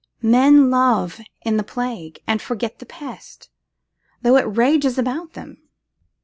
Men love in the plague, and forget the pest, though it rages about them.